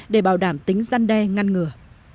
để bảo đảm tính gian đe ngăn ngừa